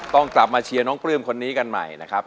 ต้องกลับมาเชียร์น้องปลื้มคนนี้กันใหม่นะครับ